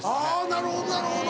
なるほどなるほど。